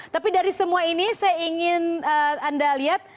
tapi dari semua ini saya ingin anda lihat